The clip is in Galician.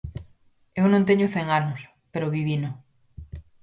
Eu non teño cen anos, pero vivino.